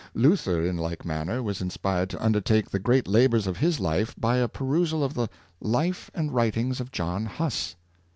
Luther, in like manner, was inspired to undertake the great labors of his life by a perusal of the " Life and Writings of John Huss."